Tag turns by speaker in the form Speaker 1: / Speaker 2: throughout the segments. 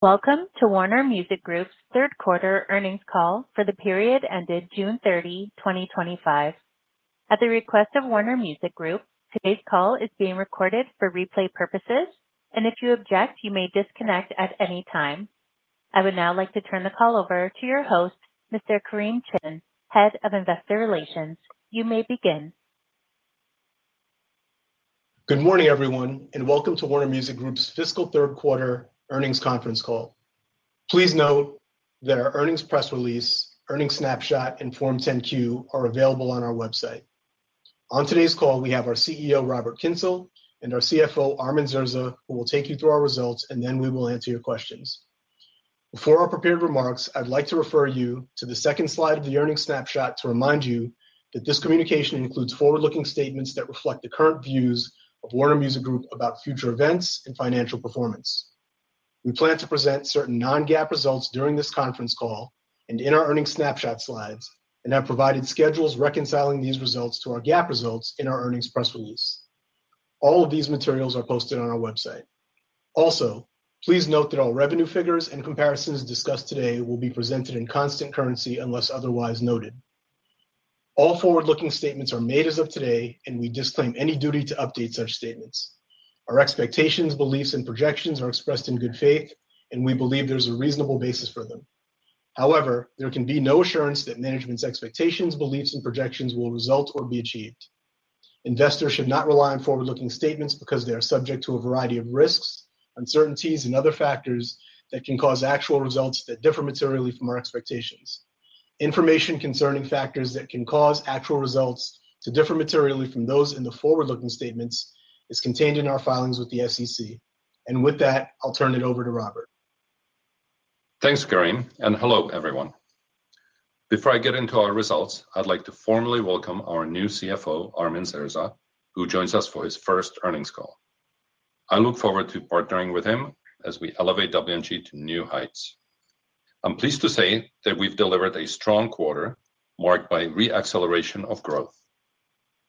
Speaker 1: Welcome to Warner Music Group's Third Quarter Earnings Call for the period ended June 30, 2025. At the request of Warner Music Group, today's call is being recorded for replay purposes, and if you object, you may disconnect at any time. I would now like to turn the call over to your host, Mr. Kareem Chin, Head of Investor Relations. You may begin.
Speaker 2: Good morning, everyone, and welcome to Warner Music Group's Fiscal Third Quarter Earnings Conference Call. Please note that our earnings press release, earnings snapshot, and Form 10-Q are available on our website. On today's call, we have our CEO, Robert Kyncl, and our CFO, Armin Zerza, who will take you through our results, and then we will answer your questions. Before our prepared remarks, I'd like to refer you to the second slide of the earnings snapshot to remind you that this communication includes forward-looking statements that reflect the current views of Warner Music Group about future events and financial performance. We plan to present certain non-GAAP results during this conference call and in our earnings snapshot slides, and have provided schedules reconciling these results to our GAAP results in our earnings press release. All of these materials are posted on our website. Also, please note that all revenue figures and comparisons discussed today will be presented in constant currency unless otherwise noted. All forward-looking statements are made as of today, and we disclaim any duty to update such statements. Our expectations, beliefs, and projections are expressed in good faith, and we believe there's a reasonable basis for them. However, there can be no assurance that management's expectations, beliefs, and projections will result or be achieved. Investors should not rely on forward-looking statements because they are subject to a variety of risks, uncertainties, and other factors that can cause actual results to differ materially from our expectations. Information concerning factors that can cause actual results to differ materially from those in the forward-looking statements is contained in our filings with the SEC, and with that, I'll turn it over to Robert.
Speaker 3: Thanks, Kareem, and hello, everyone. Before I get into our results, I'd like to formally welcome our new CFO, Armin Zerza, who joins us for his first earnings call. I look forward to partnering with him as we elevate Warner Music Group to new heights. I'm pleased to say that we've delivered a strong quarter marked by re-acceleration of growth.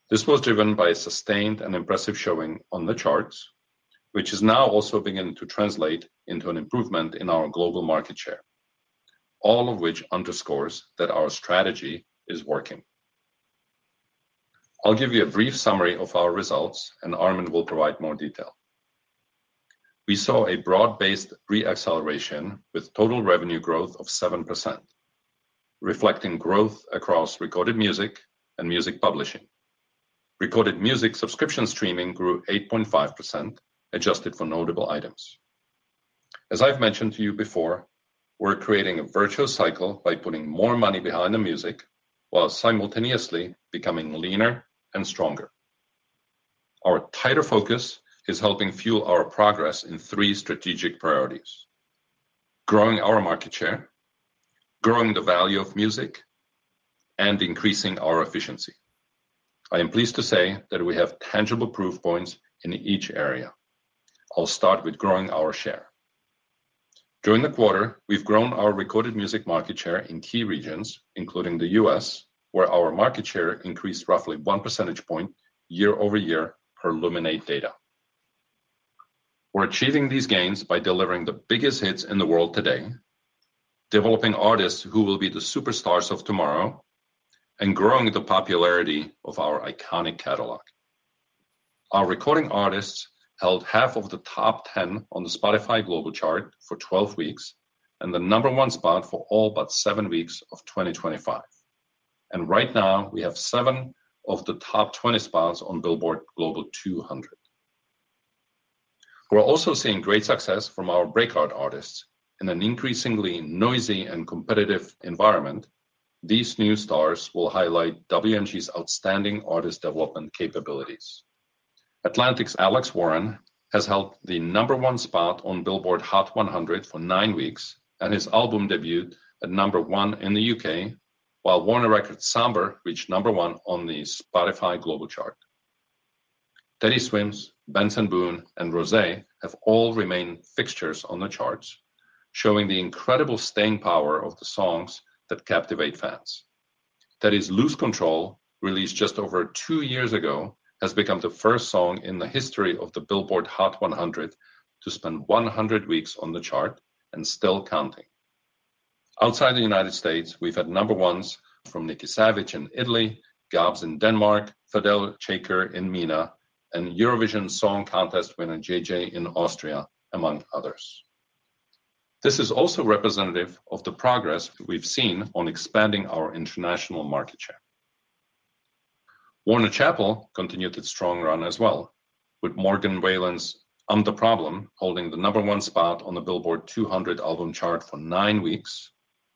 Speaker 3: This was driven by a sustained and impressive showing on the charts, which is now also beginning to translate into an improvement in our global market share, all of which underscores that our strategy is working. I'll give you a brief summary of our results, and Armin will provide more detail. We saw a broad-based re-acceleration with total revenue growth of 7%, reflecting growth across recorded music and music publishing. Recorded music subscription streaming grew 8.5%, adjusted for notable items. As I've mentioned to you before, we're creating a virtuous cycle by putting more money behind the music while simultaneously becoming leaner and stronger. Our tighter focus is helping fuel our progress in three strategic priorities: growing our market share, growing the value of music, and increasing our efficiency. I am pleased to say that we have tangible proof points in each area. I'll start with growing our share. During the quarter, we've grown our recorded music market share in key regions, including the U.S., where our market share increased roughly one percentage point year-over-year per Luminate data. We're achieving these gains by delivering the biggest hits in the world today, developing artists who will be the superstars of tomorrow, and growing the popularity of our iconic catalog. Our recording artists held half of the top 10 on the Spotify Global Chart for 12 weeks and the number one spot for all but seven weeks of 2025. Right now, we have seven of the top 20 spots on Billboard Global 200. We're also seeing great success from our breakout artists. In an increasingly noisy and competitive environment, these new stars will highlight Warner Music Group's outstanding artist development capabilities. Atlantic's Alex Warren has held the number one spot on Billboard Hot 100 for nine weeks, and his album debuted at number one in the U.K., while Warner Records' Sabrina reached number one on the Spotify Global Chart. Teddy Swims, Benson Boone, and Rosé have all remained fixtures on the charts, showing the incredible staying power of the songs that captivate fans. Teddy Swims' "Lose Control," released just over two years ago, has become the first song in the history of the Billboard Hot 100 to spend 100 weeks on the chart and still counting. Outside the U.S., we've had number ones from Nikki Savage in Italy, Gabs in Denmark, Fidel Schaefer in Mina, and Eurovision Song Contest winner JJ in Austria, among others. This is also representative of the progress we've seen on expanding our international market share. Warner Chappell continued its strong run as well, with Morgan Wallen's "Unther Problem" holding the number one spot on the Billboard 200 album chart for nine weeks,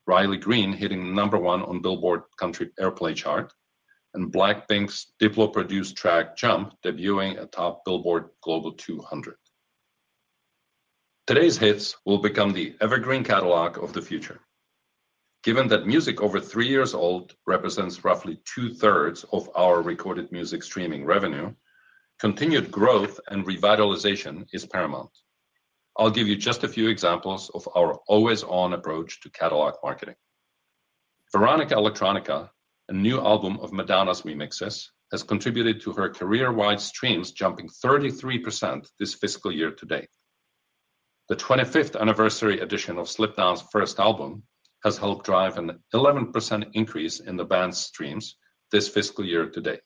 Speaker 3: Riley Green hitting number one on the Billboard Country Airplay chart, and Blackpink's Diplo-produced track "Jump" debuting atop Billboard Global 200. Today's hits will become the evergreen catalog of the future. Given that music over three years old represents roughly two-thirds of our recorded music streaming revenue, continued growth and revitalization is paramount. I'll give you just a few examples of our always-on approach to catalog marketing. Veronica Electronica, a new album of Madonna's remixes, has contributed to her career-wide streams jumping 33% this fiscal year to date. The 25th anniversary edition of Slipknot's first album has helped drive an 11% increase in the band's streams this fiscal year to date.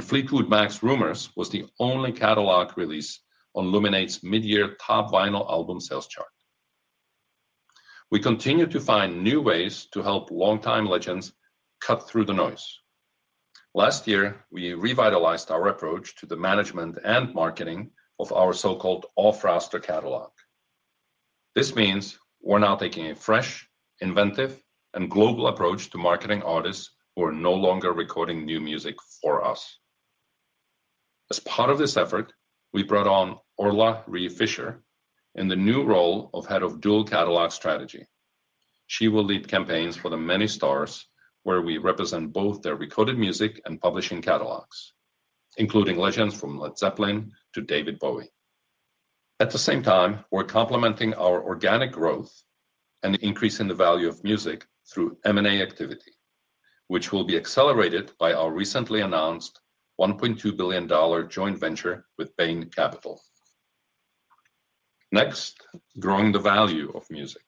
Speaker 3: Fleetwood Mac's "Rumours" was the only catalog release on Luminate's mid-year top vinyl album sales chart. We continue to find new ways to help long-time legends cut through the noise. Last year, we revitalized our approach to the management and marketing of our so-called all-froster catalog. This means we're now taking a fresh, inventive, and global approach to marketing artists who are no longer recording new music for us. As part of this effort, we brought on Orla Ryfischer in the new role of Head of Dual Catalog Strategy. She will lead campaigns for the many stars where we represent both their recorded music and publishing catalogs, including legends from Led Zeppelin to David Bowie. At the same time, we're complementing our organic growth and increasing the value of music through M&A activity, which will be accelerated by our recently announced $1.2 billion joint venture with Bain Capital. Next, growing the value of music.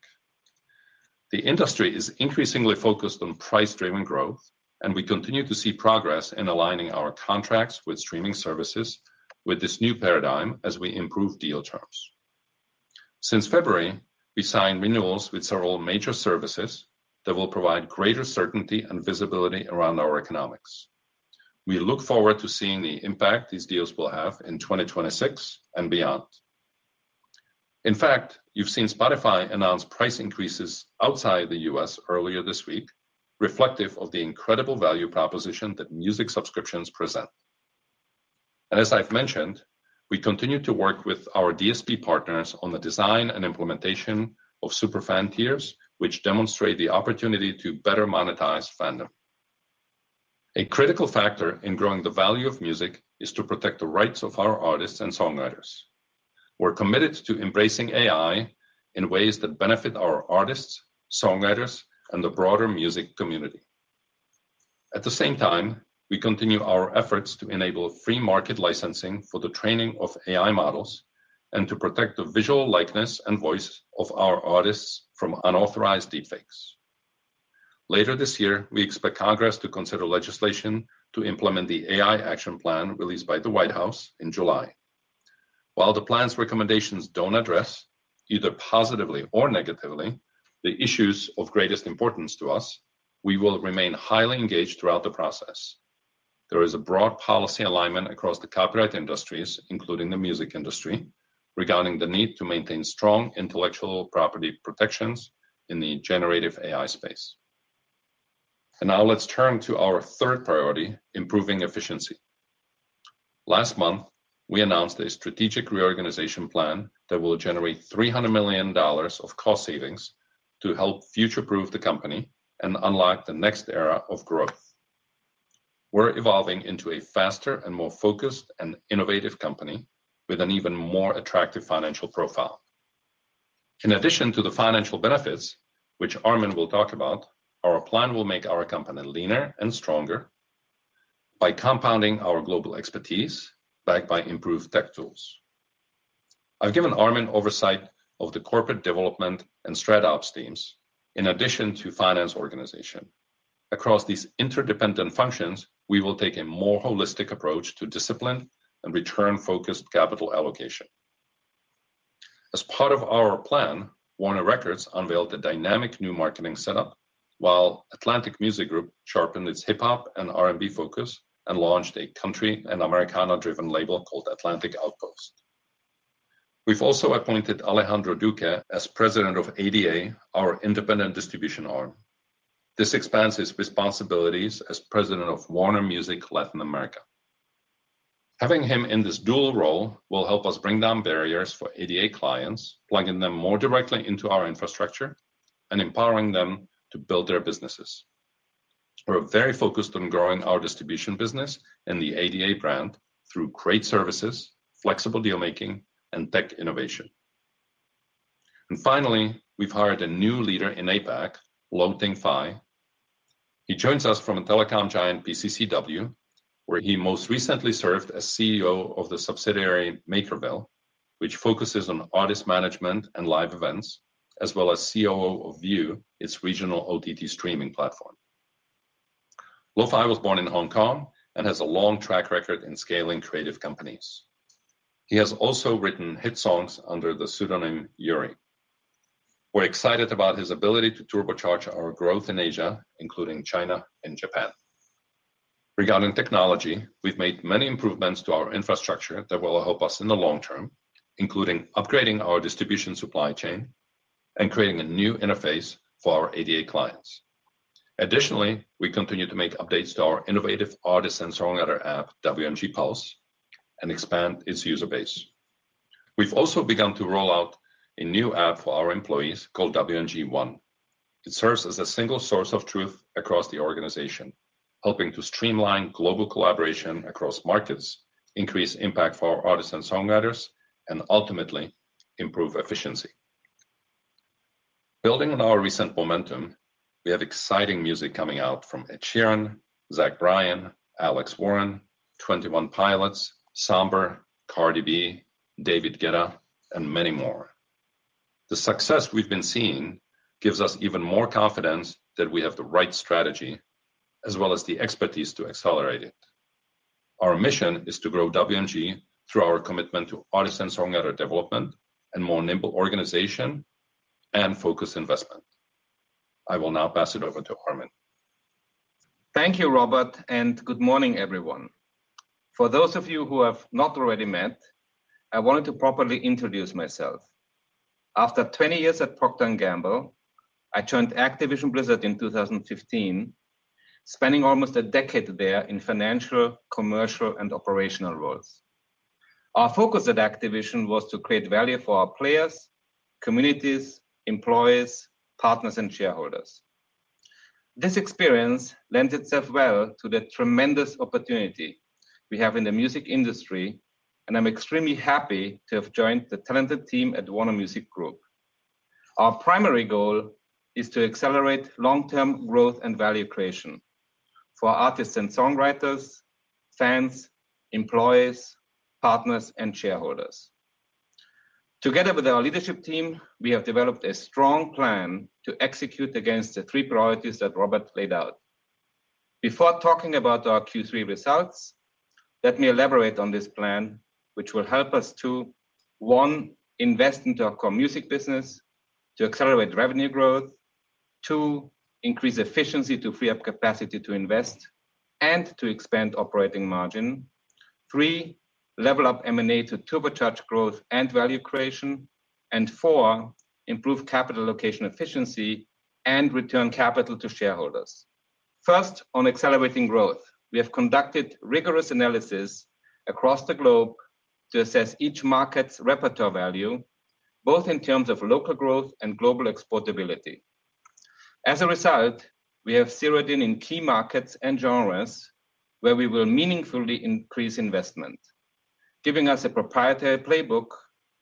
Speaker 3: The industry is increasingly focused on price-driven growth, and we continue to see progress in aligning our contracts with streaming services with this new paradigm as we improve deal charts. Since February, we signed renewals with several major services that will provide greater certainty and visibility around our economics. We look forward to seeing the impact these deals will have in 2026 and beyond. In fact, you've seen Spotify announce price increases outside the U.S. earlier this week, reflective of the incredible value proposition that music subscriptions present. As I've mentioned, we continue to work with our DSP partners on the design and implementation of SuperFan tiers, which demonstrate the opportunity to better monetize fandom. A critical factor in growing the value of music is to protect the rights of our artists and songwriters. We're committed to embracing AI in ways that benefit our artists, songwriters, and the broader music community. At the same time, we continue our efforts to enable free market licensing for the training of AI models and to protect the visual likeness and voice of our artists from unauthorized deepfakes. Later this year, we expect Congress to consider legislation to implement the AI Action Plan released by the White House in July. While the plan's recommendations don't address, either positively or negatively, the issues of greatest importance to us, we will remain highly engaged throughout the process. There is a broad policy alignment across the copyright industries, including the music industry, regarding the need to maintain strong intellectual property protections in Generative AI space. Now, let's turn to our third priority: improving efficiency. Last month, we announced a strategic reorganization plan that will generate $300 million of cost savings to help future-proof the company and unlock the next era of growth. We're evolving into a faster and more focused and innovative company with an even more attractive financial profile. In addition to the financial benefits, which Armin Zerza will talk about, our plan will make our company leaner and stronger by compounding our global expertise, backed by improved tech tools. I've given Armin oversight of the Corporate Development and Strat Ops teams in addition to the Finance organization. Across these interdependent functions, we will take a more holistic approach to disciplined and return-focused capital allocation. As part of our plan, Warner Records unveiled a dynamic new marketing setup, while Atlantic Music Group sharpened its hip-hop and R&B focus and launched a country and Americana-driven label called Atlantic Outpost. We've also appointed Alejandro Duque as President of ADA, our independent distribution arm. This expands his responsibilities as President of Warner Music Latin America. Having him in this dual role will help us bring down barriers for ADA clients, plugging them more directly into our infrastructure and empowering them to build their businesses. We're very focused on growing our distribution business and the ADA brand through great services, flexible deal-making, and tech innovation. Finally, we've hired a new leader in APAC, Lo Ting Fai. He joins us from a telecom giant, PCCW, where he most recently served as CEO of the subsidiary MakerVille, which focuses on artist management and live events, as well as COO of Viu, its regional OTT streaming platform. Lo Ting Fai was born in Hong Kong and has a long track record in scaling creative companies. He has also written hit songs under the pseudonym Yuri. We're excited about his ability to turbocharge our growth in Asia, including China and Japan. Regarding technology, we've made many improvements to our infrastructure that will help us in the long term, including upgrading our distribution supply chain and creating a new interface for our ADA clients. Additionally, we continue to make updates to our innovative artist and songwriter app, WMG Pulse, and expand its user base. We've also begun to roll out a new app for our employees called WMG One. It serves as a single source of truth across the organization, helping to streamline global collaboration across markets, increase impact for our artists and songwriters, and ultimately improve efficiency. Building on our recent momentum, we have exciting music coming out from Ed Sheeran, Zach Bryan, Alex Warren, Twenty One Pilots, Sabrina, Cardi B, David Guetta, and many more. The success we've been seeing gives us even more confidence that we have the right strategy, as well as the expertise to accelerate it. Our mission is to grow Warner Music Group through our commitment to artist and songwriter development and a more nimble organization and focused investment. I will now pass it over to Armin.
Speaker 4: Thank you, Robert, and good morning, everyone. For those of you who have not already met, I wanted to properly introduce myself. After 20 years at Procter & Gamble, I joined Activision Blizzard in 2015, spending almost a decade there in financial, commercial, and operational roles. Our focus at Activision was to create value for our players, communities, employees, partners, and shareholders. This experience lends itself well to the tremendous opportunity we have in the music industry, and I'm extremely happy to have joined the talented team at Warner Music Group. Our primary goal is to accelerate long-term growth and value creation for artists and songwriters, fans, employees, partners, and shareholders. Together with our leadership team, we have developed a strong plan to execute against the three priorities that Robert laid out. Before talking about our Q3 results, let me elaborate on this plan, which will help us to, one, invest into our core music business to accelerate revenue growth; two, increase efficiency to free up capacity to invest and to expand operating margin; three, level up M&A to turbocharge growth and value creation; and four, improve capital allocation efficiency and return capital to shareholders. First, on accelerating growth, we have conducted rigorous analysis across the globe to assess each market's repertoire value, both in terms of local growth and global exportability. As a result, we have zeroed in in key markets and genres where we will meaningfully increase investment, giving us a proprietary playbook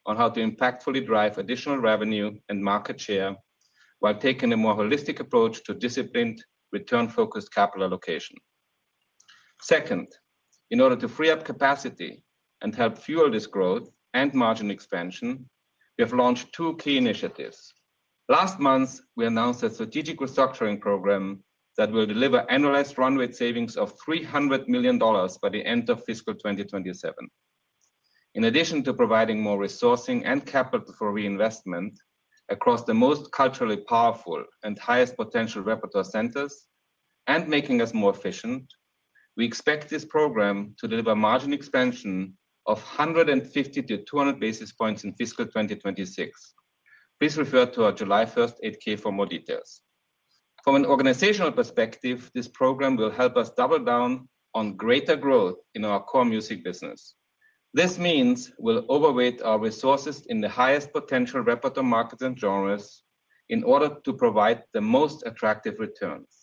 Speaker 4: on how to impactfully drive additional revenue and market share while taking a more holistic approach to disciplined, return-focused capital allocation. Second, in order to free up capacity and help fuel this growth and margin expansion, we have launched two key initiatives. Last month, we announced a strategic restructuring program that will deliver annualized runway savings of $300 million by the end of fiscal 2027. In addition to providing more resourcing and capital for reinvestment across the most culturally powerful and highest potential repertoire centers and making us more efficient, we expect this program to deliver margin expansion of 150-200 basis points in fiscal 2026. Please refer to our July 1st 8K for more details. From an organizational perspective, this program will help us double down on greater growth in our core music business. This means we'll overweight our resources in the highest potential repertoire markets and genres in order to provide the most attractive returns,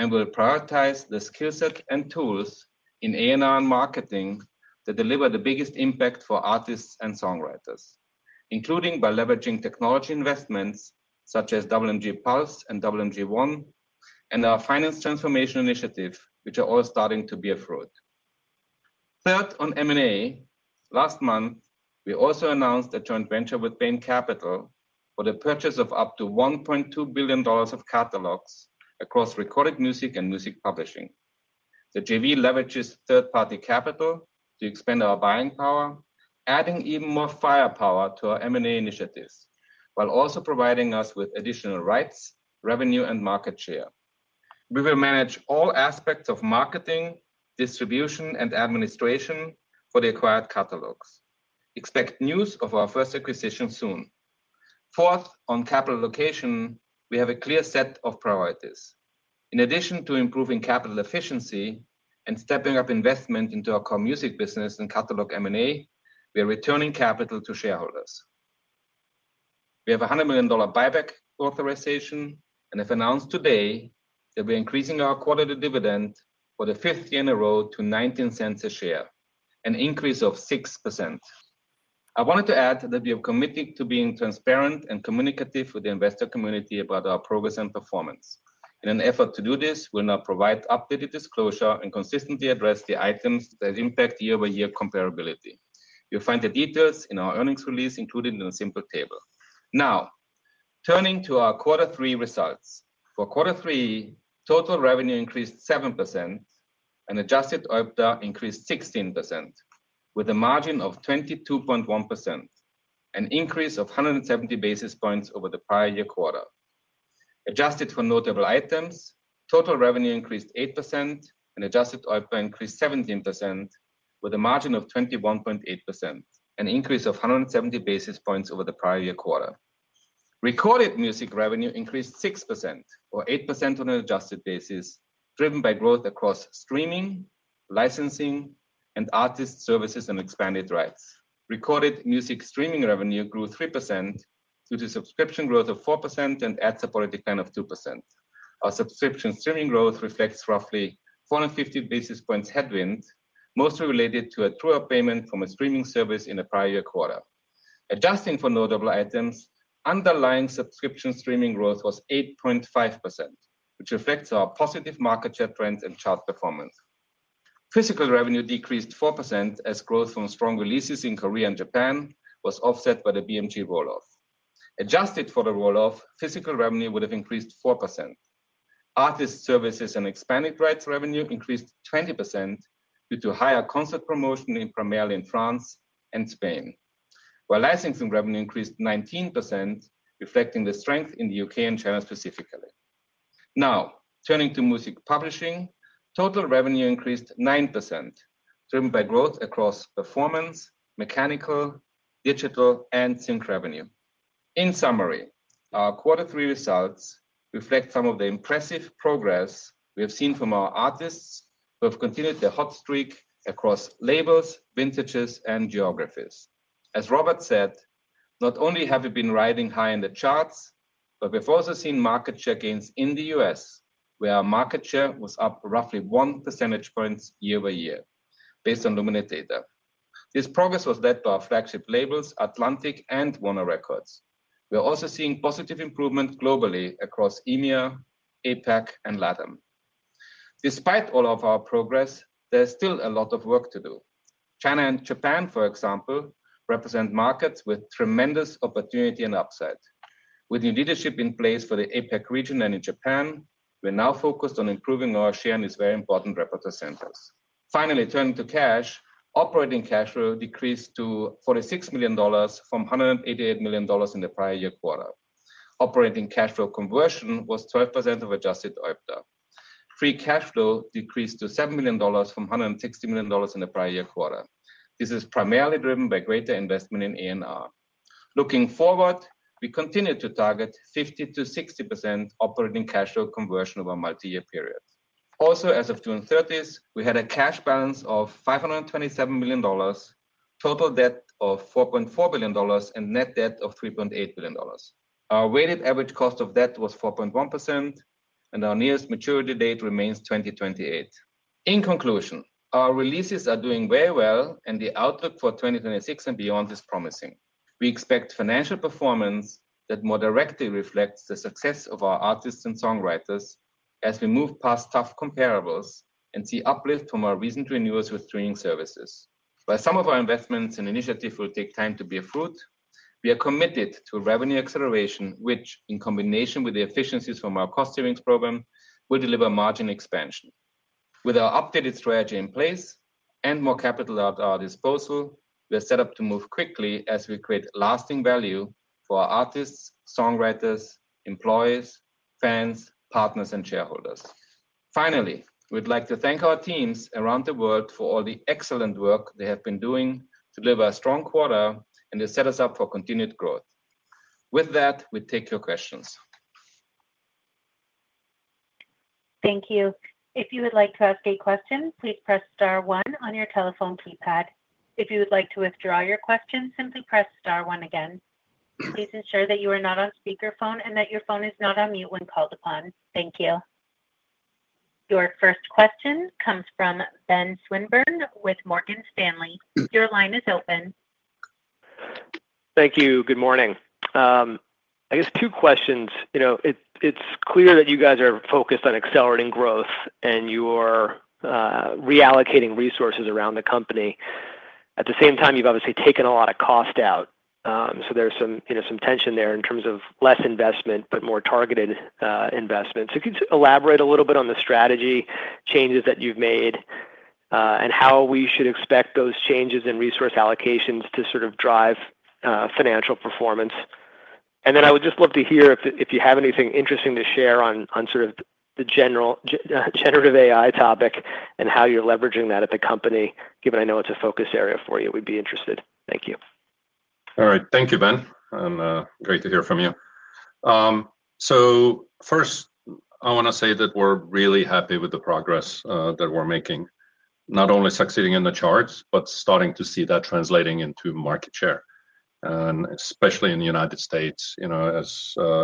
Speaker 4: and we'll prioritize the skill set and tools in A&R and marketing that deliver the biggest impact for artists and songwriters, including by leveraging technology investments such as WMG Pulse and WMG One and our finance transformation initiative, which are all starting to be afloat. Third, on M&A, last month, we also announced a joint venture with Bain Capital for the purchase of up to $1.2 billion of catalogs across recorded music and music publishing. The JV leverages third-party capital to expand our buying power, adding even more firepower to our M&A initiatives while also providing us with additional rights, revenue, and market share. We will manage all aspects of marketing, distribution, and administration for the acquired catalogs. Expect news of our first acquisition soon. Fourth, on capital allocation, we have a clear set of priorities. In addition to improving capital efficiency and stepping up investment into our core music business and catalog M&A, we are returning capital to shareholders. We have a $100 million buyback authorization and have announced today that we're increasing our quarterly dividend for the fifth year in a row to $0.19 a share, an increase of 6%. I wanted to add that we are committed to being transparent and communicative with the investor community about our progress and performance. In an effort to do this, we'll now provide updated disclosure and consistently address the items that impact year-over-year comparability. You'll find the details in our earnings release included in a simple table. Now, turning to our quarter three results. For quarter three, total revenue increased 7% and adjusted EBITDA increased 16% with a margin of 22.1%, an increase of 170 basis points over the prior year quarter. Adjusted for notable items, total revenue increased 8% and adjusted EBITDA increased 17% with a margin of 21.8%, an increase of 170 basis points over the prior year quarter. Recorded music revenue increased 6% or 8% on an adjusted basis, driven by growth across streaming, licensing, and artist services and expanded rights. Recorded music streaming revenue grew 3% due to subscription growth of 4% and ad supported decline of 2%. Our subscription streaming growth reflects roughly 450 basis points headwind, mostly related to a true-up payment from a streaming service in the prior year quarter. Adjusting for notable items, underlying subscription streaming growth was 8.5%, which reflects our positive market share trends and chart performance. Physical revenue decreased 4% as growth from strong releases in Korea and Japan was offset by the BMG rolloff. Adjusted for the rolloff, physical revenue would have increased 4%. Artist services and expanded rights revenue increased 20% due to higher concert promotion primarily in France and Spain, while licensing revenue increased 19%, reflecting the strength in the UK and China specifically. Now, turning to music publishing, total revenue increased 9%, driven by growth across performance, mechanical, digital, and sync revenue. In summary, our quarter three results reflect some of the impressive progress we have seen from our artists who have continued their hot streak across labels, vintages, and geographies. As Robert said, not only have we been riding high in the charts, but we've also seen market share gains in the U.S., where our market share was up roughly one percentage point year-over-year based on Luminate data. This progress was led by our flagship labels, Atlantic and Warner Records. We're also seeing positive improvement globally across EMEA, APAC, and Latin. Despite all of our progress, there's still a lot of work to do. China and Japan, for example, represent markets with tremendous opportunity and upside. With new leadership in place for the APAC region and in Japan, we're now focused on improving our share in these very important repertoire centers. Finally, turning to cash, operating cash flow decreased to $46 million from $188 million in the prior year quarter. Operating cash flow conversion was 12% of adjusted EBITDA. Free cash flow decreased to $7 million from $160 million in the prior year quarter. This is primarily driven by greater investment in A&R. Looking forward, we continue to target 50%-60% operating cash flow conversion over a multi-year period. Also, as of June 30th, we had a cash balance of $527 million, total debt of $4.4 billion, and net debt of $3.8 billion. Our weighted average cost of debt was 4.1%, and our nearest maturity date remains 2028. In conclusion, our releases are doing very well, and the outlook for 2026 and beyond is promising. We expect financial performance that more directly reflects the success of our artists and songwriters as we move past tough comparables and see uplift from our recent renewals with streaming services. While some of our investments and initiatives will take time to be afloat, we are committed to revenue acceleration, which, in combination with the efficiencies from our cost savings program, will deliver margin expansion. With our updated strategy in place and more capital at our disposal, we are set up to move quickly as we create lasting value for our artists, songwriters, employees, fans, partners, and shareholders. Finally, we'd like to thank our teams around the world for all the excellent work they have been doing to deliver a strong quarter and to set us up for continued growth. With that, we take your questions.
Speaker 1: Thank you. If you would like to ask a question, please press star one on your telephone keypad. If you would like to withdraw your question, simply press star one again. Please ensure that you are not on speakerphone and that your phone is not on mute when called upon. Thank you. Your first question comes from Benjamin Swinburne with Morgan Stanley. Your line is open.
Speaker 5: Thank you. Good morning. I guess two questions. It's clear that you guys are focused on accelerating growth and you are reallocating resources around the company. At the same time, you've obviously taken a lot of cost out. There's some tension there in terms of less investment but more targeted investment. Could you elaborate a little bit on the strategy changes that you've made and how we should expect those changes in resource allocations to drive financial performance? I would just love to hear if you have anything interesting to share on the Generative AI topic and how you're leveraging that at the company, given I know it's a focus area for you. We'd be interested. Thank you.
Speaker 3: All right. Thank you, Ben. Great to hear from you. First, I want to say that we're really happy with the progress that we're making, not only succeeding in the charts but starting to see that translating into market share, and especially in the U.S., you know,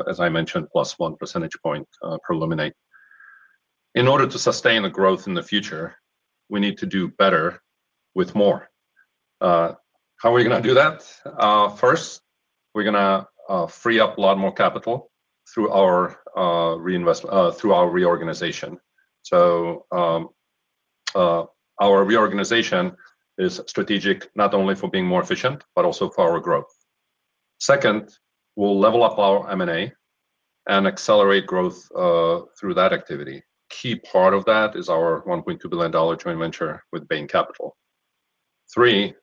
Speaker 3: as I mentioned, +1% per Luminate. In order to sustain growth in the future, we need to do better with more. How are we going to do that? First, we're going to free up a lot more capital through our reorganization. Our reorganization is strategic not only for being more efficient but also for our growth. Second, we'll level up our M&A and accelerate growth through that activity. A key part of that is our $1.2 billion joint venture with Bain Capital. Third,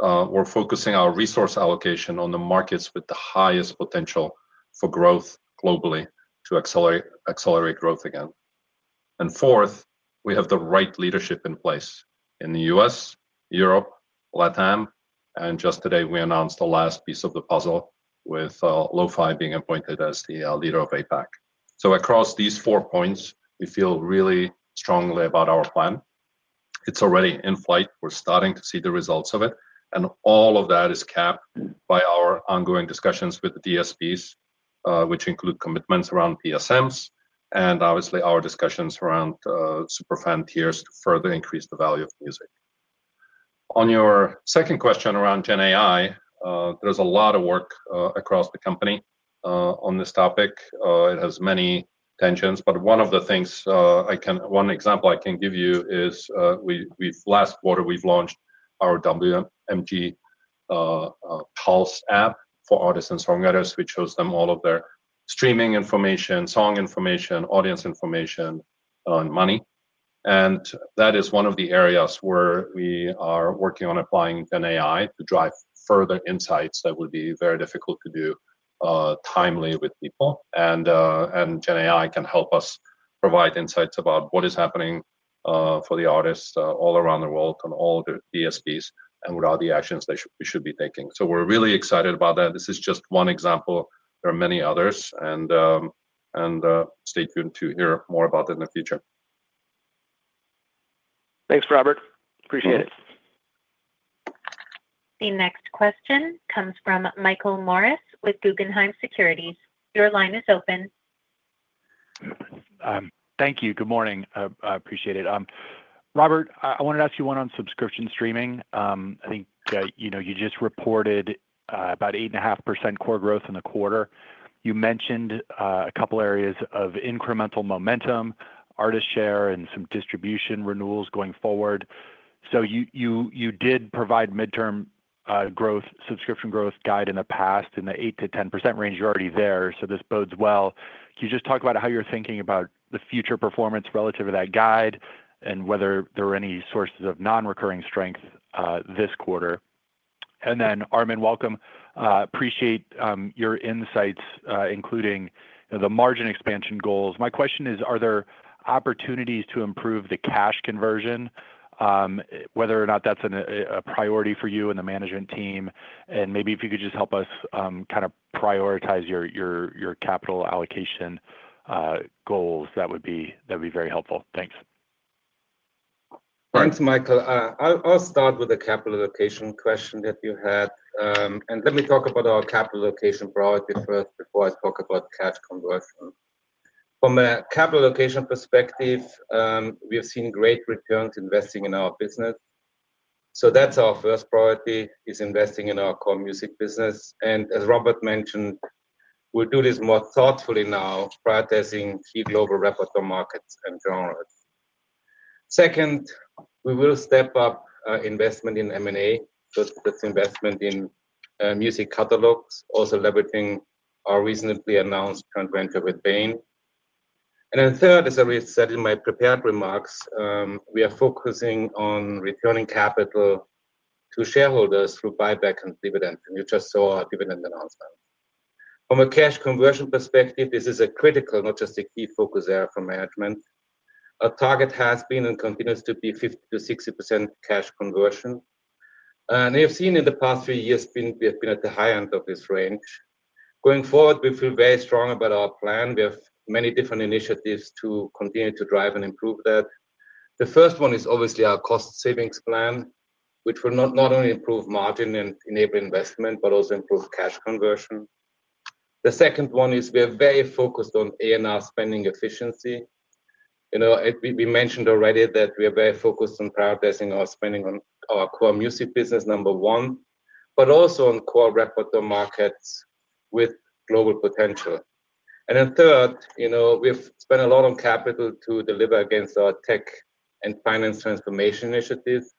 Speaker 3: we're focusing our resource allocation on the markets with the highest potential for growth globally to accelerate growth again. Fourth, we have the right leadership in place in the U.S., Europe, Latin. Just today, we announced the last piece of the puzzle with Lo Fai being appointed as the leader of APAC. Across these four points, we feel really strongly about our plan. It's already in flight. We're starting to see the results of it. All of that is capped by our ongoing discussions with the digital service providers, which include commitments around PSMs, and obviously our discussions around SuperFan tiers to further increase the value of music. On your second around Generative AI, there's a lot of work across the company on this topic. It has many tensions. One example I can give you is we last quarter launched our WMG Pulse app for artists and songwriters, which shows them all of their streaming information, song information, audience information, and money. That is one of the areas where we are working applying Generative AI to drive further insights that would be very difficult to do timely with Generative AI can help us provide insights about what is happening for the artists all around the world and all the digital service providers and what are the actions they should be taking. We're really excited about that. This is just one example. There are many others. Stay tuned to hear more about it in the future.
Speaker 5: Thanks, Robert. Appreciate it.
Speaker 1: The next question comes from Michael Morris with Guggenheim Securities. Your line is open.
Speaker 6: Thank you. Good morning. Appreciate it. Robert, I wanted to ask you one on subscription streaming. I think you just reported about 8.5% core growth in the quarter. You mentioned a couple of areas of incremental momentum, artist share, and some distribution renewals going forward. You did provide midterm growth, subscription growth guide in the past in the 8%-10% range. You're already there. This bodes well. Can you just talk about how you're thinking about the future performance relative to that guide and whether there are any sources of non-recurring strength this quarter? Armin, welcome. Appreciate your insights, including the margin expansion goals. My question is, are there opportunities to improve the cash conversion, whether or not that's a priority for you and the management team? Maybe if you could just help us kind of prioritize your capital allocation goals, that would be very helpful. Thanks.
Speaker 4: Thanks, Michael. I'll start with the capital allocation question that you had. Let me talk about our capital allocation priority first before I talk about cash conversion. From a capital allocation perspective, we have seen great returns investing in our business. That's our first priority, investing in our core music business. As Robert mentioned, we'll do this more thoughtfully now, prioritizing key global repertoire markets and genres. Second, we will step up investment in M&A. That's investment in music catalogs, also leveraging our recently announced joint venture with Bain Capital. Third, as I said in my prepared remarks, we are focusing on returning capital to shareholders through buyback and dividend. You just saw a dividend announcement. From a cash conversion perspective, this is a critical, not just a key focus area for management. Our target has been and continues to be 50%-60% cash conversion. We have seen in the past three years, we have been at the high end of this range. Going forward, we feel very strong about our plan. We have many different initiatives to continue to drive and improve that. The first one is obviously our cost savings program, which will not only improve margin and enable investment but also improve cash conversion. The second one is we are very focused on A&R spending efficiency. We mentioned already that we are very focused on prioritizing our spending on our core music business, number one, but also on core repertoire markets with global potential. Third, we've spent a lot of capital to deliver against our tech and finance transformation initiatives.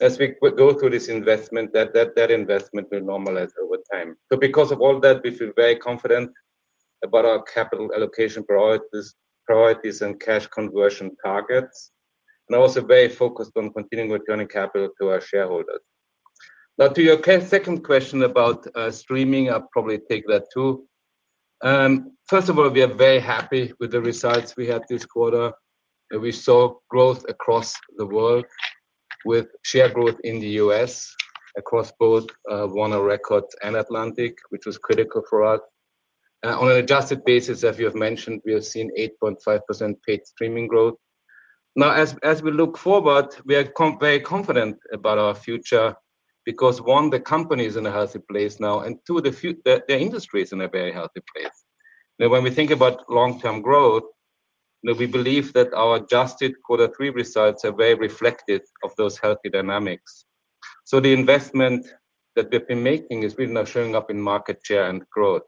Speaker 4: As we go through this investment, that investment will normalize over time. Because of all that, we feel very confident about our capital allocation priorities and cash conversion targets, and also very focused on continuing returning capital to our shareholders. Now, to your second question about streaming, I'll probably take that too. First of all, we are very happy with the results we had this quarter. We saw growth across the world, with share growth in the U.S. across both Warner Records and Atlantic, which was critical for us. On an adjusted basis, as you have mentioned, we have seen 8.5% paid streaming growth. As we look forward, we are very confident about our future because, one, the company is in a healthy place now, and two, the industry is in a very healthy place. Now, when we think about long-term growth, we believe that our adjusted Q3 results are very reflective of those healthy dynamics. The investment that we've been making is really now showing up in market share and growth.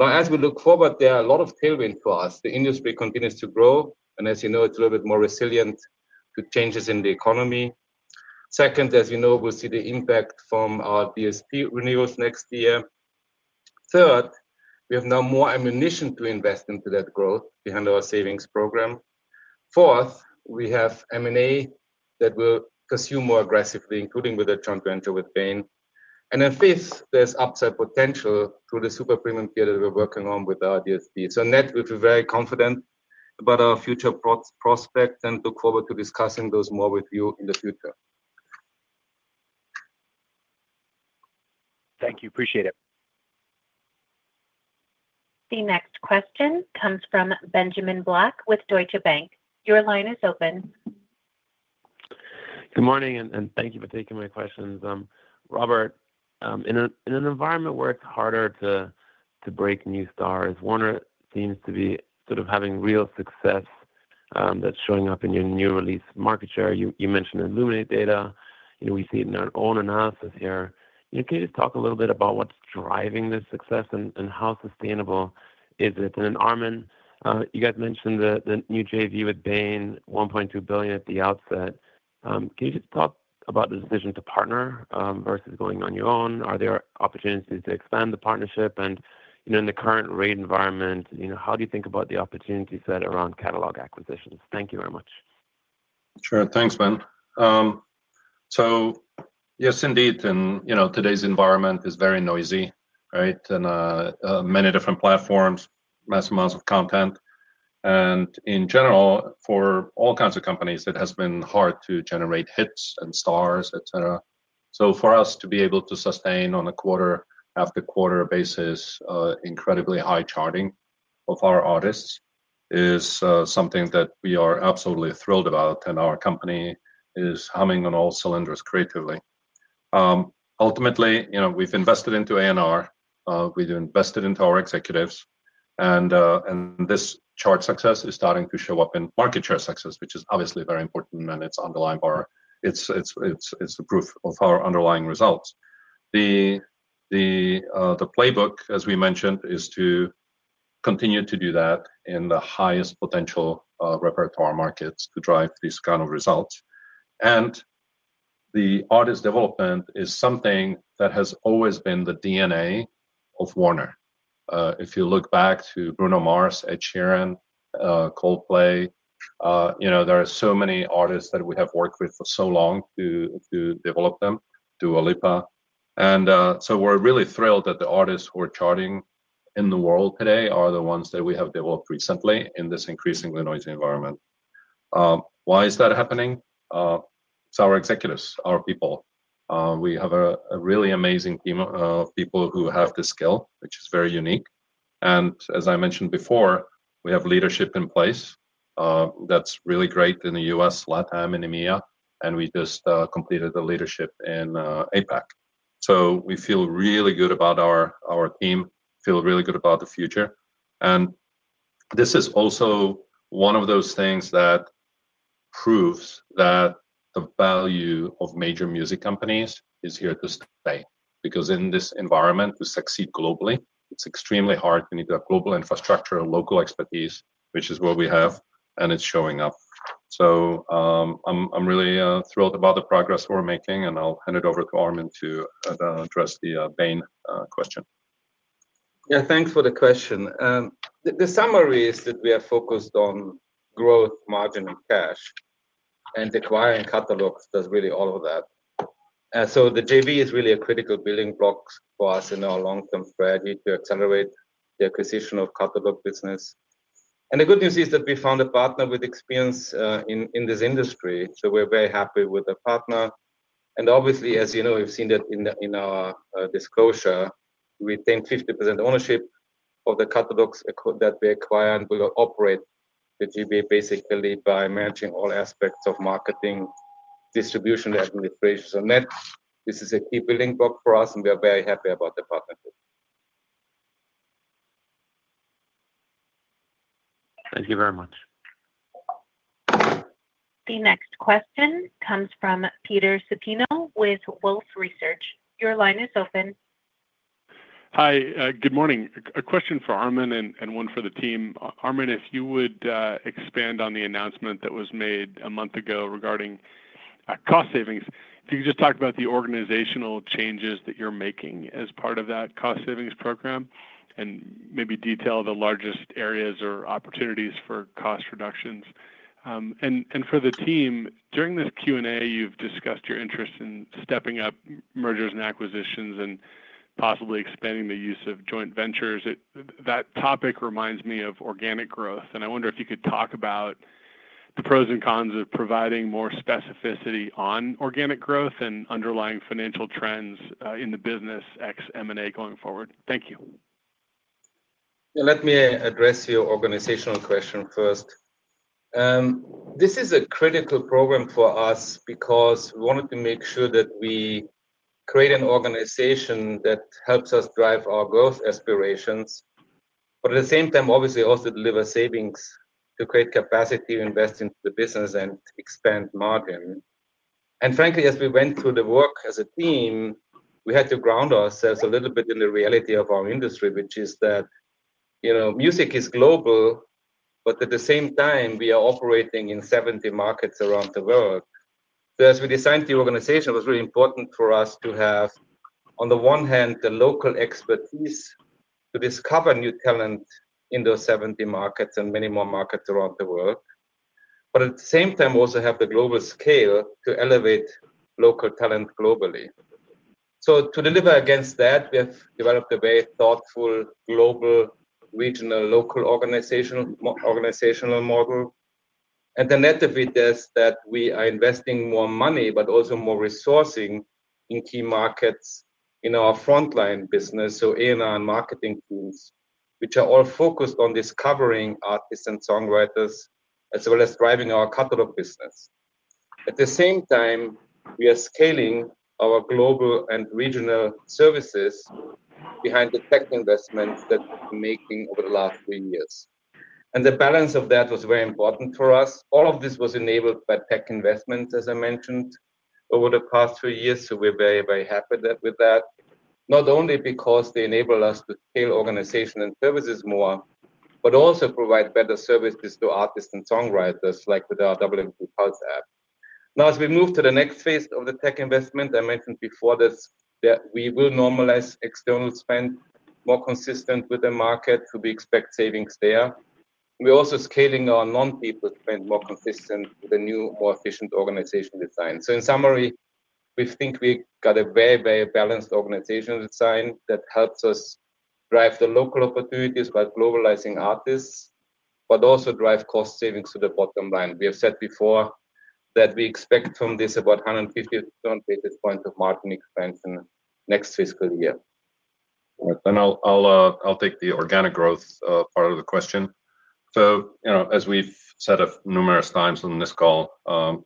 Speaker 4: As we look forward, there are a lot of tailwinds for us. The industry continues to grow, and as you know, it's a little bit more resilient to changes in the economy. Second, as we know, we'll see the impact from our DSP renewals next year. Third, we have now more ammunition to invest into that growth behind our savings program. Fourth, we have M&A that we'll pursue more aggressively, including with the joint venture with Bain Capital. Fifth, there's upside potential through the SuperFan tiers that we're working on with our DSPs. In that, we feel very confident about our future prospects and look forward to discussing those more with you in the future.
Speaker 6: Thank you. Appreciate it.
Speaker 1: The next question comes from Benjamin Black with Deutsche Bank. Your line is open.
Speaker 7: Good morning, and thank you for taking my questions. Robert, in an environment where it's harder to break new stars, Warner seems to be sort of having real success that's showing up in your new release market share. You mentioned in Luminate data, we see it in our own analysis here. Can you just talk a little bit about what's driving this success and how sustainable is it? Armin, you guys mentioned the new JV with Bain, $1.2 billion at the outset. Can you just talk about the decision to partner versus going on your own? Are there opportunities to expand the partnership? In the current rate environment, how do you think about the opportunities set around catalog acquisitions? Thank you very much.
Speaker 3: Sure. Thanks, Ben. Yes, indeed. In today's environment, it is very noisy, right? Many different platforms, massive amounts of content. In general, for all kinds of companies, it has been hard to generate hits and stars, et cetera. For us to be able to sustain on a quarter-after-quarter basis, incredibly high charting of our artists is something that we are absolutely thrilled about, and our company is humming on all cylinders creatively. Ultimately, we've invested into A&R. We've invested into our executives. This chart success is starting to show up in market share success, which is obviously very important, and it's the proof of our underlying results. The playbook, as we mentioned, is to continue to do that in the highest potential repertoire markets to drive these kind of results. Artist development is something that has always been the DNA of Warner. If you look back to Bruno Mars, Ed Sheeran, Coldplay, there are so many artists that we have worked with for so long to develop them, Dua Lipa. We are really thrilled that the artists who are charting in the world today are the ones that we have developed recently in this increasingly noisy environment. Why is that happening? It's our executives, our people. We have a really amazing team of people who have the skill, which is very unique. As I mentioned before, we have leadership in place. That's really great in the U.S., LATAM and EMEA. We just completed the leadership in APAC. We feel really good about our team, feel really good about the future. This is also one of those things that proves that the value of major music companies is here to stay. In this environment, to succeed globally, it's extremely hard. You need to have global infrastructure, local expertise, which is what we have, and it's showing up. I'm really thrilled about the progress we're making, and I'll hand it over to Armin to address the Bain question.
Speaker 4: Yeah, thanks for the question. The summary is that we are focused on growth, margin, and cash, and acquiring catalogs does really all of that. The joint venture is really a critical building block for us in our long-term strategy to accelerate the acquisition of catalog business. The good news is that we found a partner with experience in this industry. We are very happy with the partner. Obviously, as you know, we've seen that in our disclosure, we retain 50% ownership of the catalogs that we acquire, and we will operate the joint venture basically by managing all aspects of marketing, distribution, and administration. This is a key building block for us, and we are very happy about the partnership.
Speaker 7: Thank you very much.
Speaker 1: The next question comes from Peter Supino with Wolfe Research. Your line is open.
Speaker 8: Hi, good morning. A question for Armin and one for the team. Armin, if you would expand on the announcement that was made a month ago regarding cost savings, can you just talk about the organizational changes that you're making as part of that cost savings program and maybe detail the largest areas or opportunities for cost reductions? For the team, during this Q&A, you've discussed your interest in stepping up mergers and acquisitions and possibly expanding the use of joint ventures. That topic reminds me of organic growth. I wonder if you could talk about the pros and cons of providing more specificity on organic growth and underlying financial trends in the business ex-M&A going forward. Thank you.
Speaker 4: Let me address your organizational question first. This is a critical program for us because we wanted to make sure that we create an organization that helps us drive our growth aspirations, but at the same time, obviously also deliver savings to create capacity to invest into the business and expand margin. Frankly, as we went through the work as a team, we had to ground ourselves a little bit in the reality of our industry, which is that, you know, music is global, but at the same time, we are operating in 70 markets around the world. As we designed the organization, it was really important for us to have, on the one hand, the local expertise to discover new talent in those 70 markets and many more markets around the world, but at the same time, also have the global scale to elevate local talent globally. To deliver against that, we have developed a very thoughtful global, regional, local organizational model. The net of it is that we are investing more money, but also more resourcing in key markets in our frontline business, so A&R and marketing teams, which are all focused on discovering artists and songwriters, as well as driving our catalog business. At the same time, we are scaling our global and regional services behind the tech investments that we've been making over the last three years. The balance of that was very important for us. All of this was enabled by tech investment, as I mentioned, over the past three years. We're very, very happy with that, not only because they enable us to scale organization and services more, but also provide better services to artists and songwriters, like with our WMG Pulse app. Now, as we move to the next phase of the tech investment, I mentioned before this, we will normalize external spend more consistent with the market, so we expect savings there. We're also scaling our non-people spend more consistent with a new, more efficient organizational design. In summary, we think we got a very, very balanced organizational design that helps us drive the local opportunities by globalizing artists, but also drive cost savings to the bottom line. We have said before that we expect from this about 150 basis points of margin expansion next fiscal year.
Speaker 3: I'll take the organic growth part of the question. As we've said numerous times on this call,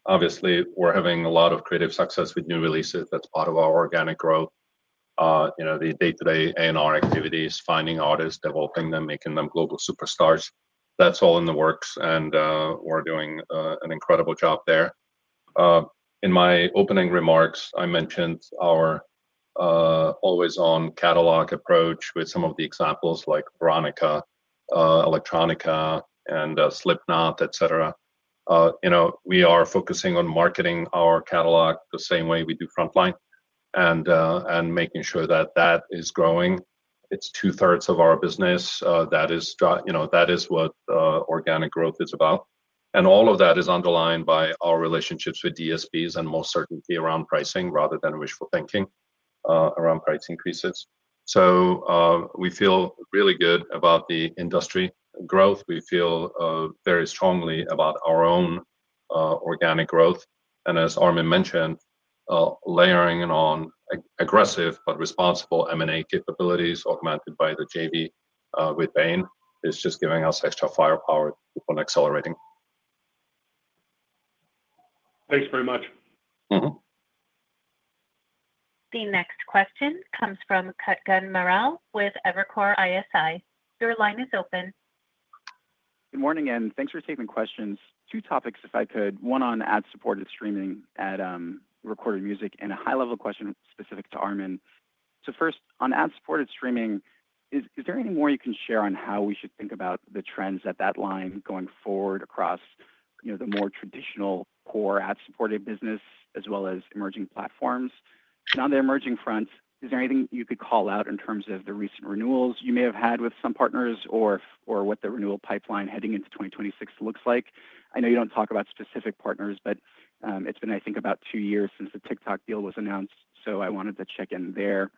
Speaker 3: obviously, we're having a lot of creative success with new releases. That's part of our organic growth. The day-to-day A&R activities, finding artists, developing them, making them global superstars, that's all in the works, and we're doing an incredible job there. In my opening remarks, I mentioned our always-on catalog approach with some of the examples like Fleetwood Mac, Electronica, and Slipknot, et cetera. We are focusing on marketing our catalog the same way we do frontline and making sure that that is growing. It's two-thirds of our business. That is what organic growth is about. All of that is underlined by our relationships with digital service providers and most certainly around pricing, rather than wishful thinking around pricing pieces. We feel really good about the industry growth. We feel very strongly about our own organic growth. As Armin Zerza mentioned, layering it on aggressive but responsible M&A capabilities augmented by the joint venture with Bain Capital is just giving us extra firepower on accelerating.
Speaker 8: Thanks very much.
Speaker 1: The next question comes from Kutgun Maral with Evercore ISI. Your line is open.
Speaker 9: Good morning, and thanks for saving questions. Two topics, if I could. One on ad-supported streaming at recorded music and a high-level question specific to Armin. First, on ad-supported streaming, is there anything more you can share on how we should think about the trends at that line going forward across the more traditional core ad-supported business as well as emerging platforms? On the emerging fronts, is there anything you could call out in terms of the recent renewals you may have had with some partners or what the renewal pipeline heading into 2026 looks like? I know you don't talk about specific partners, but it's been, I think, about two years since the TikTok deal was announced, so I wanted to check in there.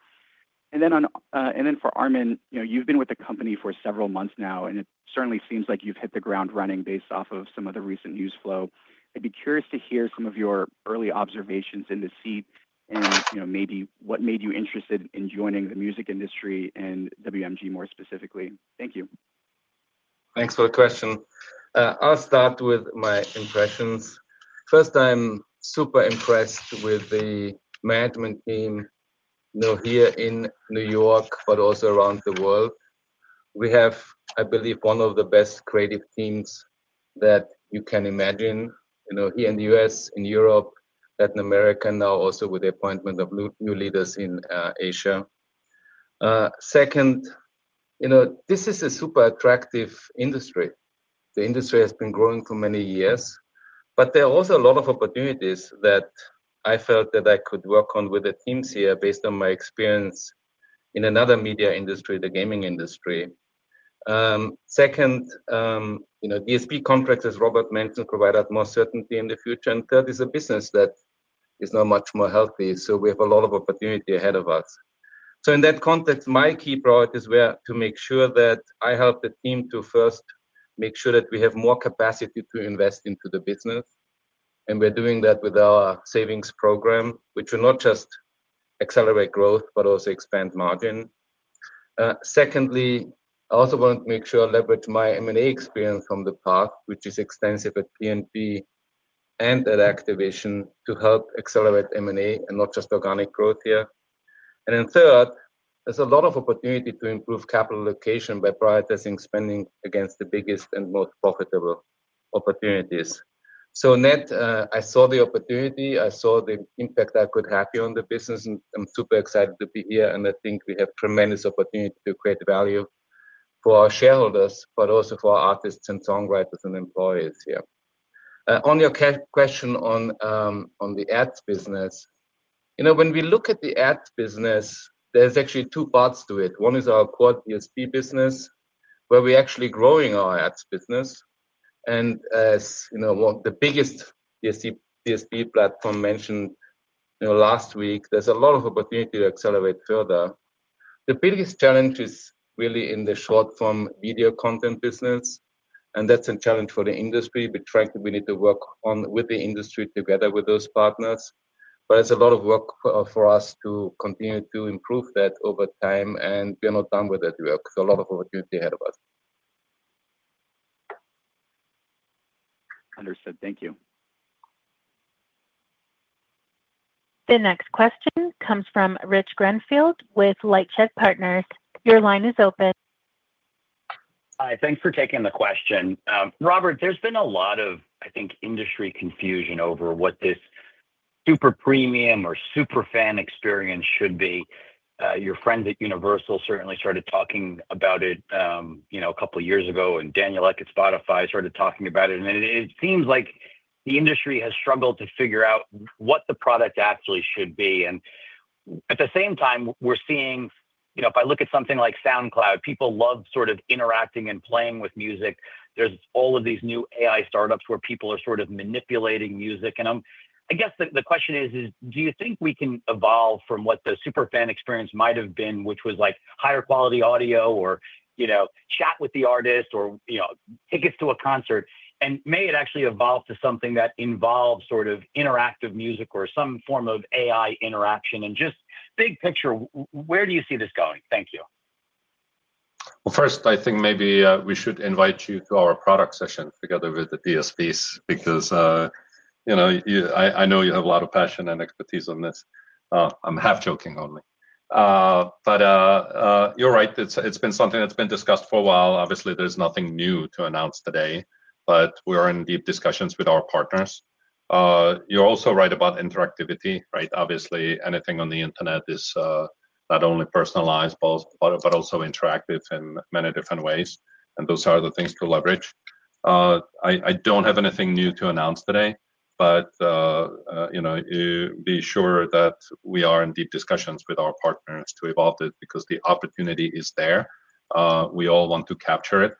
Speaker 9: For Armin, you've been with the company for several months now, and it certainly seems like you've hit the ground running based off of some of the recent news flow. I'd be curious to hear some of your early observations in the seat and maybe what made you interested in joining the music industry and Warner Music Group more specifically. Thank you.
Speaker 4: Thanks for the question. I'll start with my impressions. First, I'm super impressed with the management team here in New York, but also around the world. We have, I believe, one of the best creative teams that you can imagine here in the U.S., in Europe, Latin America, and now also with the appointment of new leaders in Asia. Second, this is a super attractive industry. The industry has been growing for many years, but there are also a lot of opportunities that I felt that I could work on with the teams here based on my experience in another media industry, the gaming industry. Second, DSP complexes, as Robert mentioned, provide us more certainty in the future. Third, it's a business that is now much more healthy, so we have a lot of opportunity ahead of us. In that context, my key priorities were to make sure that I helped the team to first make sure that we have more capacity to invest into the business. We're doing that with our savings program, which will not just accelerate growth, but also expand margin. Secondly, I also want to make sure I leverage my M&A experience from the past, which is extensive at P&G and at Activision, to help accelerate M&A and not just organic growth here. Third, there's a lot of opportunity to improve capital allocation by prioritizing spending against the biggest and most profitable opportunities. In that, I saw the opportunity. I saw the impact that could happen on the business, and I'm super excited to be here. I think we have tremendous opportunity to create value for our shareholders, but also for our artists and songwriters and employees here. On your question on the ads business, when we look at the ads business, there's actually two parts to it. One is our core DSP business, where we're actually growing our ads business. As the biggest DSP platform mentioned last week, there's a lot of opportunity to accelerate further. The biggest challenge is really in the short-form video content business, and that's a challenge for the industry. We try to really work on with the industry together with those partners, but it's a lot of work for us to continue to improve that over time, and we're not done with that work. A lot of opportunity ahead of us. Understood. Thank you.
Speaker 1: The next question comes from Rich Greenfield with LightShed Partners. Your line is open.
Speaker 10: Hi, thanks for taking the question. Robert, there's been a lot of, I think, industry confusion over what this super premium or SuperFan experience should be. Your friends at Universal certainly started talking about it a couple of years ago, and Daniel Ek at Spotify started talking about it. It seems like the industry has struggled to figure out what the product actually should be. At the same time, we're seeing, if I look at something like SoundCloud, people love sort of interacting and playing with music. There are all of these new AI startups where people are sort of manipulating music. I guess the question is, do you think we can evolve from what the SuperFan experience might have been, which was like higher quality audio or chat with the artist or tickets to a concert, and may it actually evolve to something that involves sort of interactive music or some form of AI interaction? Just big picture, where do you see this going? Thank you.
Speaker 3: I think maybe we should invite you to our product session together with the DSPs because, you know, I know you have a lot of passion and expertise on this. I'm half joking only. You're right. It's been something that's been discussed for a while. Obviously, there's nothing new to announce today, but we're in deep discussions with our partners. You're also right about interactivity, right? Obviously, anything on the internet is not only personalized but also interactive in many different ways, and those are the things to leverage. I don't have anything new to announce today, but, you know, be sure that we are in deep discussions with our partners to evolve it because the opportunity is there. We all want to capture it.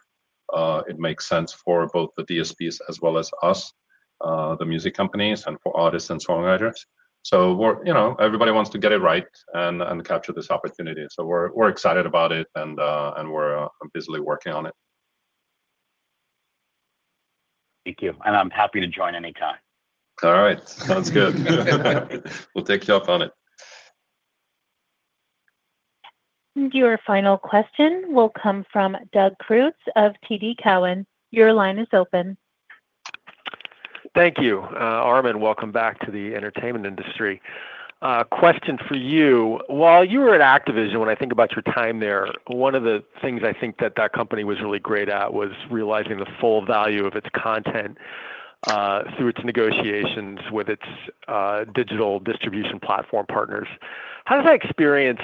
Speaker 3: It makes sense for both the DSPs as well as us, the music companies, and for artists and songwriters. Everybody wants to get it right and capture this opportunity. We're excited about it, and we're busily working on it.
Speaker 10: Thank you. I'm happy to join anytime.
Speaker 3: All right. Sounds good. We'll take you up on it.
Speaker 1: Your final question will come from Doug Creutz of TD Cowen. Your line is open.
Speaker 11: Thank you. Armin, welcome back to the entertainment industry. Question for you. While you were at Activision, when I think about your time there, one of the things I think that company was really great at was realizing the full value of its content through its negotiations with its digital distribution platform partners. How does that experience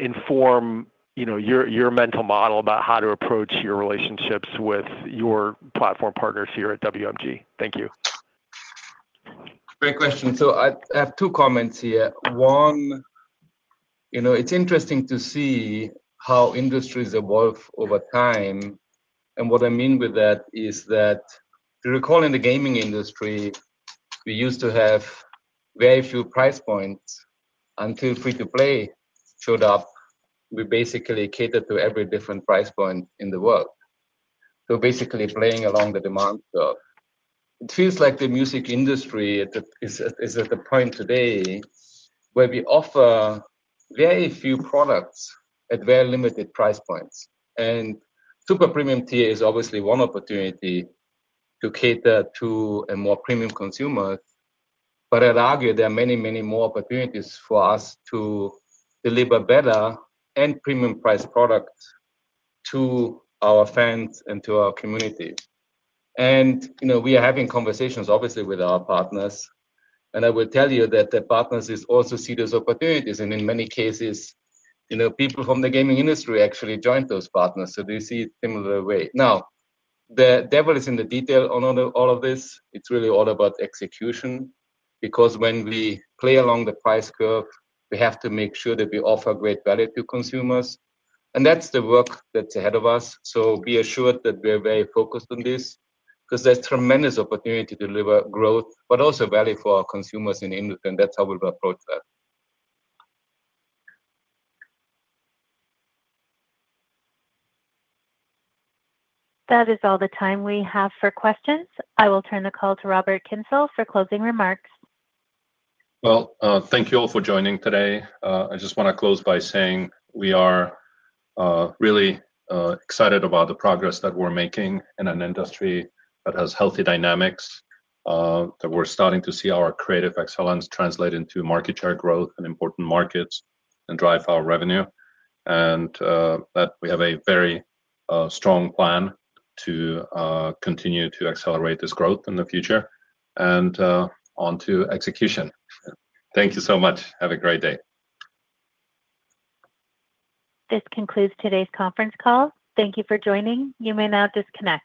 Speaker 11: inform your mental model about how to approach your relationships with your platform partners here at Warner Music Group? Thank you.
Speaker 4: Great question. I have two comments here. One, you know, it's interesting to see how industries evolve over time. What I mean with that is that, if you recall in the gaming industry, we used to have very few price points until free-to-play showed up. We basically catered to every different price point in the world, basically playing along the demand curve. It feels like the music industry is at the point today where we offer very few products at very limited price points. Super premium tier is obviously one opportunity to cater to a more premium consumer. I'd argue there are many, many more opportunities for us to deliver better and premium-priced products to our fans and to our communities. You know, we are having conversations, obviously, with our partners. I will tell you that the partners also see those opportunities. In many cases, people from the gaming industry actually joined those partners, so they see it a similar way. The devil is in the detail on all of this. It's really all about execution because when we play along the price curve, we have to make sure that we offer great value to consumers. That's the work that's ahead of us. Be assured that we are very focused on this because there's tremendous opportunity to deliver growth, but also value for our consumers in the industry. That's how we will approach that.
Speaker 1: That is all the time we have for questions. I will turn the call to Robert Kyncl for closing remarks.
Speaker 3: Thank you all for joining today. I just want to close by saying we are really excited about the progress that we're making in an industry that has healthy dynamics, that we're starting to see our creative excellence translate into market share growth in important markets and drive our revenue, and that we have a very strong plan to continue to accelerate this growth in the future. On to execution. Thank you so much. Have a great day.
Speaker 1: This concludes today's conference call. Thank you for joining. You may now disconnect.